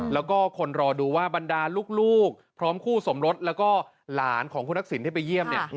แล้วก็คนรอดูว่าบรรดาลูกพร้อมคู่สมรสแล้วก็หลานของคุณทักษิณที่ไปเยี่ยมเนี่ย